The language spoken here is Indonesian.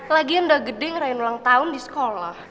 lagian udah gede ngerain ulang tahun di sekolah